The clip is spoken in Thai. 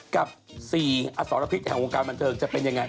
กับ๔อสรพิษแห่งวงการบันเทิงจะเป็นยังไง